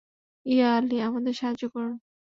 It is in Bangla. ইয়া আলী, আমাদের সাহায্য করুন।